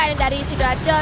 ada yang dari sidoarjo